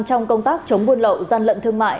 trong công tác chống buôn lậu gian lận thương mại